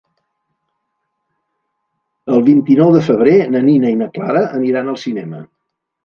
El vint-i-nou de febrer na Nina i na Clara aniran al cinema.